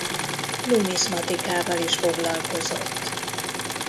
Numizmatikával is foglalkozott.